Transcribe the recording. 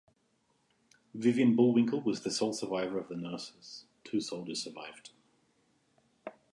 Vivian Bullwinkel was the sole survivor of the nurses; two soldiers survived.